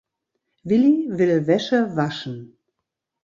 Willi will Wäsche waschen.